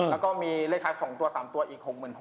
แล้วก็มีเลขท้าย๒ตัว๓ตัวอีก๖๖๐๐